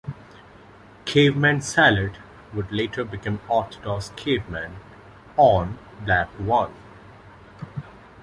"Caveman Salad" would later become "Orthodox Caveman" on "Black One".